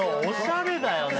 おしゃれだわ。